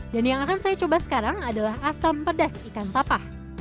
dan yang akan saya coba sekarang adalah asam pedas ikan tapah